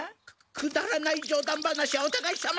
くだらないじょう談話はおたがいさま。